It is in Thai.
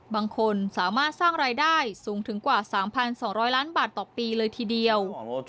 บางคนสามารถสร้างรายได้สูงถึงกว่า๓๒๐๐ล้านบาทต่อปีเลยทีเดียว